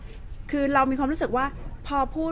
แต่ว่าสามีด้วยคือเราอยู่บ้านเดิมแต่ว่าสามีด้วยคือเราอยู่บ้านเดิม